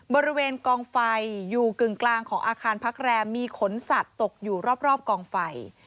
บริเวณกองไฟอยู่กึ่งกลางของอาคารพักแรมมีขนสัตว์ตกอยู่รอบกองไฟ